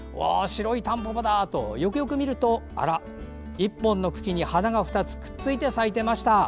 白いたんぽぽだ！とよく見ると１本の茎に花が２つくっついて咲いてました。